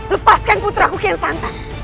lepaskan puteraku kian santang